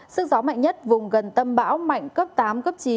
sức gió mạnh nhất vùng gần tâm bão mạnh cấp tám cấp chín